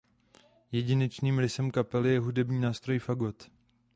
Jedinečným rysem kapely je hudební nástroj fagot.